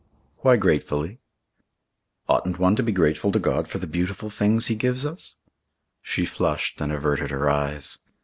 "Why gratefully?" "Oughtn't one to be grateful to God for the beautiful things He gives us?" She flushed and averted her eyes.